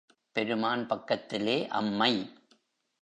பெருமான் பக்கத்திலே அம்மை.